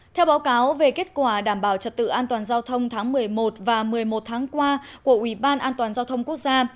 theo báo cáo về kết quả đảm bảo trật tự an toàn giao thông tháng một mươi một và một mươi một tháng qua của ủy ban an toàn giao thông quốc gia